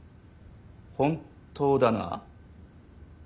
本当だな？